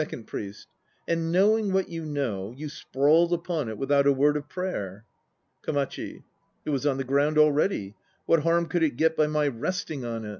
OND PRIEST. And knowing what you know, you sprawled upon it without a word of prayer? KOMACHI. It was on the ground already. What harm could it get by my rest ing on it?